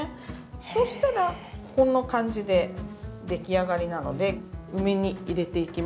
そうしたらこんな感じでできあがりなので梅に入れていきますね。